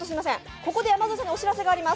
ここで山添さんからお知らせがあります。